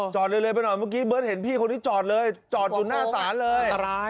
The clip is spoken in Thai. เร็วไปหน่อยเมื่อกี้เบิร์ตเห็นพี่คนนี้จอดเลยจอดอยู่หน้าศาลเลย